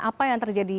apa yang terjadi